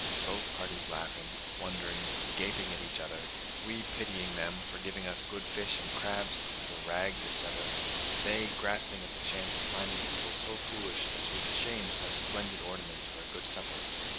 Both parties laughing, wondering, gaping at each other; we pitying them, for giving us good fish and crabs for rags, etc.; they grasping at the chance of finding people so foolish as to exchange such splendid ornaments for a good supper.